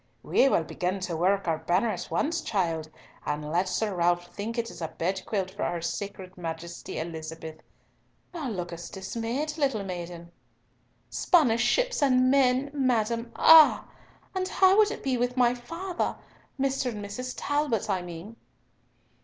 We will begin to work our banner at once, child, and let Sir Ralf think it is a bed quilt for her sacred Majesty, Elizabeth. Thou look'st dismayed, little maiden." "Spanish ships and men, madam, ah! and how would it be with my father—Mr. and Mrs. Talbot, I mean?"